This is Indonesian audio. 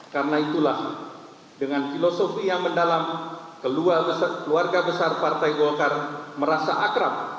karena itulah dengan filosofi yang mendalam keluarga besar partai golkar merasa akrab